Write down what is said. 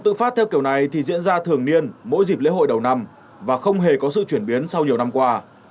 tự phát theo kiểu này thì diễn ra thường niên mỗi dịp lễ hội đầu năm và không hề có sự chuyển biến sau nhiều năm qua